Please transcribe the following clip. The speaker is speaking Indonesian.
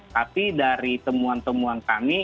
tapi dari temuan temuan kami